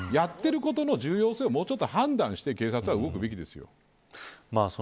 やってることの重要性をもうちょっと判断して警察は動くべきですよ。